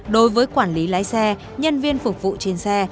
đối với quản lý lái xe nhân viên phục vụ trên xe